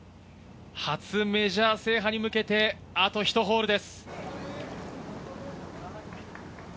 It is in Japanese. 初メジャー制覇に向けて、あと１ホールです。